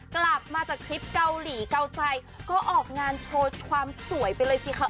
กลับมาจากทริปเกาหลีเกาใจก็ออกงานโชว์ความสวยไปเลยสิคะ